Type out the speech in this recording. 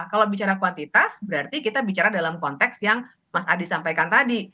kalau bicara kuantitas berarti kita bicara dalam konteks yang mas adi sampaikan tadi